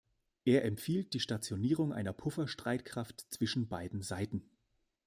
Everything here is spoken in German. Er empfiehlt die Stationierung einer Pufferstreitkraft zwischen beiden Seiten.